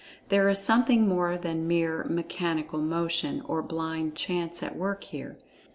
There is something more than mere "mechanical motion," or blind chance at work here.